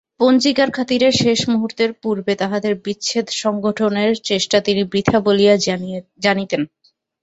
পঞ্জিকার খাতিরে শেষ মুহূর্তের পূর্বে তাহাদের বিচ্ছেদসংঘটনের চেষ্টা তিনি বৃথা বলিয়াই জানিতেন।